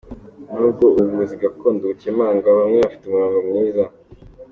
Nubwo ubuvuzi gakondo bukemangwa, bamwe bafite umurongo muzima